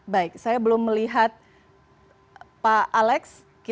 baik saya belum melihat pak alex